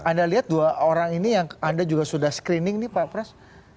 anda lihat dua orang ini yang anda juga sudah screening nih pak pras